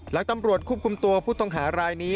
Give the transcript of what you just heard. หลังตำรวจควบคุมตัวผู้ต้องหารายนี้